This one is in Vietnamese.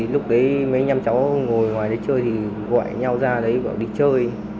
lúc đấy mấy nhóm cháu ngồi ngoài đấy chơi thì gọi nhau ra đấy gọi đi chơi